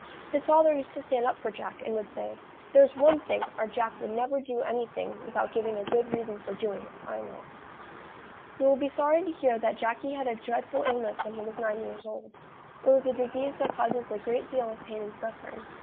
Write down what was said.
His father used to stand up for Jack, and would say: "There's one thing, our Jack will never do anything without giving a good reason for doing it, I know." You will be sorry to hear that Jacky had a dreadful illness when he was nine years old. It was a disease that causes a great deal of pain and suffering.